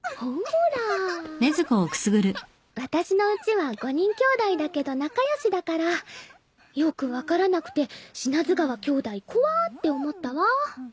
私のうちは５人きょうだいだけど仲良しだからよく分からなくて不死川兄弟怖って思ったわ。